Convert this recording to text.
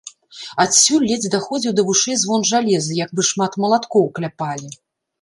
Адсюль ледзь даходзіў да вушэй звон жалеза, як бы шмат малаткоў кляпалі.